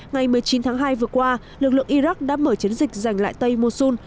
ngày một mươi chín tháng hai vừa qua lực lượng iraq đã mở chiến dịch giành lại tây musun